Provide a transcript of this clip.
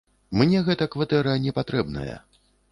Мне гэта кватэра не патрэбная.